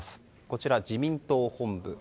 こちらは自民党本部。